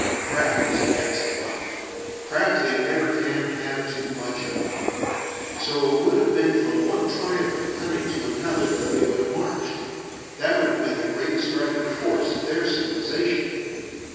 Craft is a cat's delight: craft they never can have too much of. So it would have been from one triumph of cunning to another that they would have marched. That would have been the greatest driving force of their civilization.